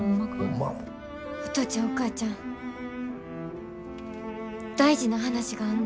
お父ちゃんお母ちゃん大事な話があんねん。